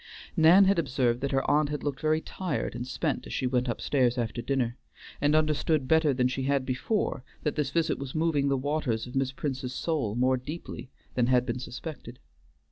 Nan had observed that her aunt had looked very tired and spent as she went up stairs after dinner, and understood better than she had before that this visit was moving the waters of Miss Prince's soul more deeply than had been suspected.